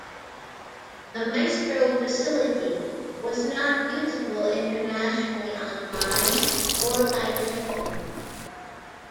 The Maestro facility was not usable internationally online or by telephone.